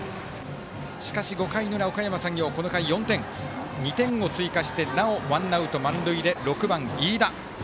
しかし、５回の裏、おかやま山陽２点を追加してなおワンアウト満塁で６番、飯田。